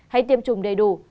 hãy tiêm chủng đầy đủ